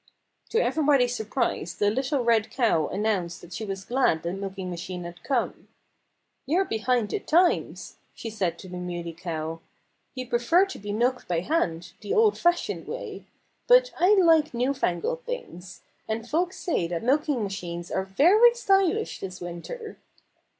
To everybody's surprise the little red cow announced that she was glad the milking machine had come. "You're behind the times," she said to the Muley Cow. "You prefer to be milked by hand, the old fashioned way. But I like new fangled things. And folks say that milking machines are very stylish this winter."